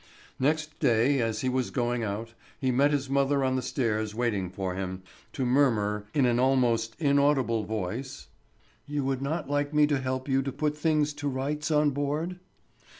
Next day as he was going out, he met his mother on the stairs waiting for him, to murmur in an almost inaudible voice: "You would not like me to help you to put things to rights on board?"